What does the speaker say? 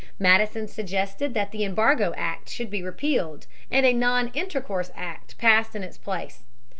Madison suggested that the Embargo Act should be repealed, and a Non Intercourse Act passed in its place.